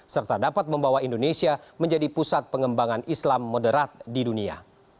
serta dapat membawa indonesia menjadi pusat pengembangan islam moderat di dunia